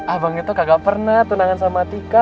abang itu kagak pernah tunangan sama tika